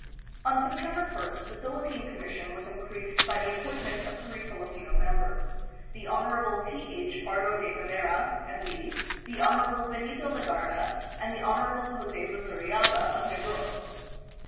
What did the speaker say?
On September 1st, the Philip pine Commission was increased by the appointment of three Filipino members, the Hon. T. H. Pardo de Tavera, M. D., the Hon. Benito Legarda, and the Hon. Jose Luzu riaga of Negros.